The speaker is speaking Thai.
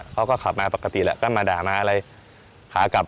เขาก็ขับมาปกติแหละก็มาด่ามาอะไรขากลับ